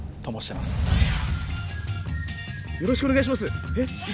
よろしくお願いします。